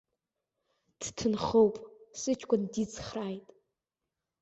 Дҭынхоуп, сыҷкәын дицхрааит.